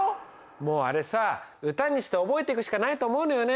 もうあれさ歌にして覚えていくしかないと思うのよね